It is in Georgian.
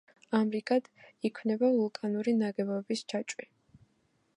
ამრიგად, იქმნება ვულკანური ნაგებობების ჯაჭვი.